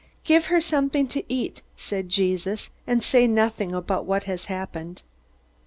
"Give her something to eat," said Jesus. "And say nothing about what has happened."